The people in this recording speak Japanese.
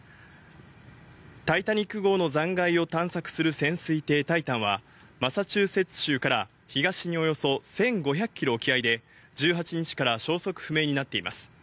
タイタニック号の残骸を探索する潜水艇タイタンは、マサチューセッツ州から東におよそ１５００キロ沖合で１８日から消息不明になっています。